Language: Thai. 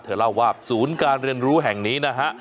เล่าว่าศูนย์การเรียนรู้แห่งนี้นะฮะ